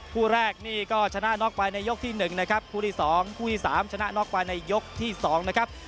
คู่แรกนี่ก็ชนะนอกไปในยกที่หนึ่งนะครับคู่ที่สองคู่ที่สามชนะนอกไปในยกที่สองนะครับ